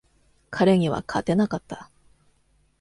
彼には勝てなかった。